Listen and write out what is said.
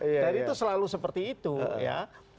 dan itu selalu seperti itu ya